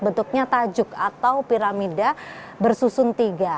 bentuknya tajuk atau piramida bersusun tiga